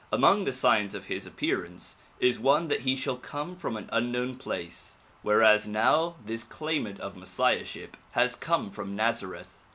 Among the signs of his appearance is one that he shall come from an unknown place whereas now this claimant of messiahship has come from Nazareth.